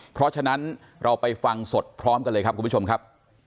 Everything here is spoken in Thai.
เพราะฉะนั้นเราไปฟังสดพร้อมกันเลยครับคุณผู้ชมครับ